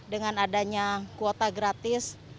dengan adanya kuota gratis